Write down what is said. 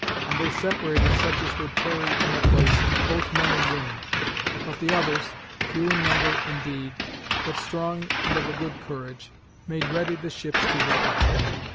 And they separated such as would tarry in the place, both men and women; but the others, few in number indeed, but strong and of a good courage, made ready the ships to depart.